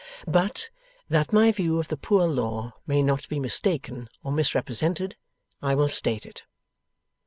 But, that my view of the Poor Law may not be mistaken or misrepresented, I will state it.